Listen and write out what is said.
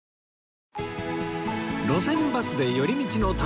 『路線バスで寄り道の旅』